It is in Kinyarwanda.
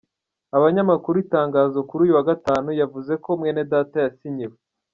abanyamakuru itangazo kuri uyu wa gatanu, yavuze ko Mwenedata yasinyiwe.